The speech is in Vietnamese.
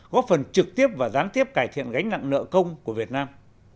góp phần trực tiếp và gián tiếp cải thiện gánh nặng nợ công của việt nam